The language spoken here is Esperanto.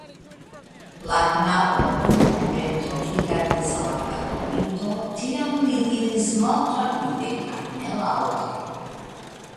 La knabo dum momento rigardis al la parolinto, tiam li diris malrapide kaj nelaŭte.